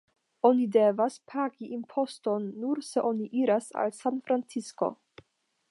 Oni devas pagi imposton nur se oni iras al Sanfrancisko.